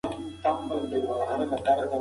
د میدان وردګو ولایت د کابل تر څنګ یو مهم ولایت دی.